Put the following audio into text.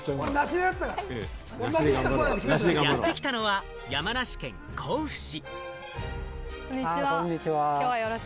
やってきたのは山梨県甲府市。